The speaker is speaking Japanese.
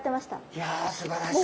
いやすばらしいです。